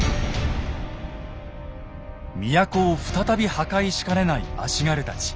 都を再び破壊しかねない足軽たち。